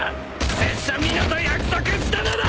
拙者皆と約束したのだ！